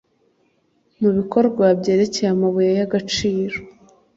mu bikorwa byerekeye amabuye y agaciro